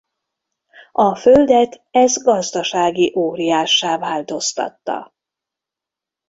A Földet ez gazdasági óriássá változtatta.